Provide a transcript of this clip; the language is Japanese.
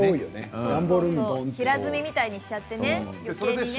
平積みにしちゃってね。